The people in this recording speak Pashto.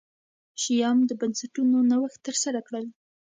شیام د بنسټونو نوښت ترسره کړل.